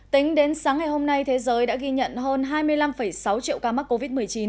tính đến sáng ngày hôm nay thế giới đã ghi nhận hơn hai mươi năm sáu triệu ca mắc covid một mươi chín